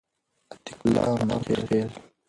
عتیق الله امرخیل